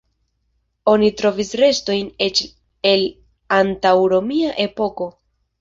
Oni trovis restojn eĉ el antaŭromia epoko.